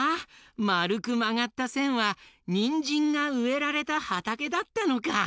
まるくまがったせんはにんじんがうえられたはたけだったのか！